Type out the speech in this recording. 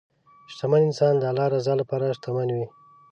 شتمن انسان د الله د رضا لپاره شتمن وي.